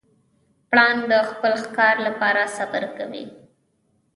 پړانګ د خپل ښکار لپاره صبر کوي.